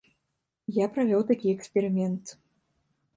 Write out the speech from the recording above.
Я правёў такі эксперымент.